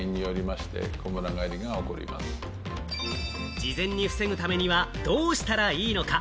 事前に防ぐためにはどうしたらいいのか？